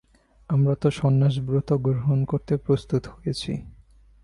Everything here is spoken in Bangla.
আমরা তো সন্ন্যাস ব্রত গ্রহণ করতে প্রস্তুত হয়েছি।